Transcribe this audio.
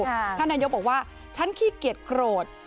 ท่านนายกบอกว่าฉันขี้เกียจโกรธ